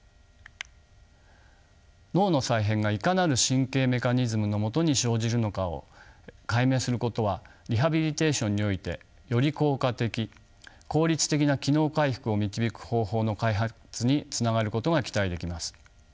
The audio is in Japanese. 脳の再編がいかなる神経メカニズムのもとに生じるのかを解明することはリハビリテーションにおいてより効果的効率的な機能回復を導く方法の開発につながることが期待できます。